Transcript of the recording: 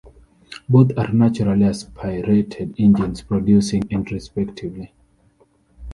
Both are naturally aspirated engines producing and respectively.